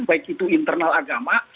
baik itu internal agama